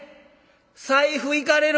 財布いかれる」。